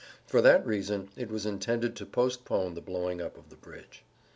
For that reason it was intended to postpone the blowing up of the bridge.